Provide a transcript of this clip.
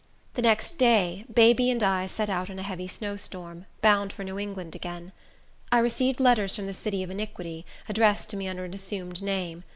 The next day, baby and I set out in a heavy snow storm, bound for New England again. I received letters from the City of Iniquity, addressed to me under an assumed name.